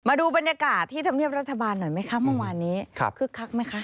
มาดูบรรยากาศที่ธำเนียบรัฐบาลหน่อยไหมครับคือกคลักไหมครับ